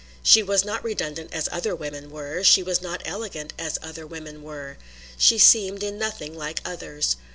She was not redundant as other women were; she was not elegant as other women were; she seemed in nothing like others.